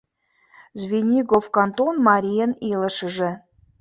Звенигов кантон марийын илышыже